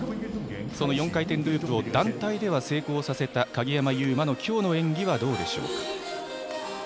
その４回転ループを団体では成功させた鍵山優真の今日の演技はどうでしょうか。